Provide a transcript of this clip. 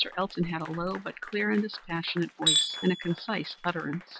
Elton had a low but clear and dispassionate voice, and a concise utterance.